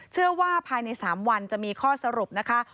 เชื่อว่าภายใน๓วันจะมีข้อสรุปนะคะ